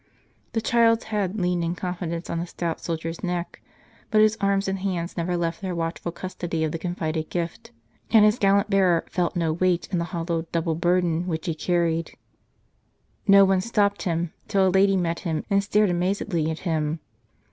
The child's head leaned in confidence on the stout soldier's neck, but his arms and hands never left their watchful custody of the confided gift ; and his gallant bearer felt no weight in the hallowed double burden wdiich he carried. No one stopped him, till a lady met him and stared amazedly at him.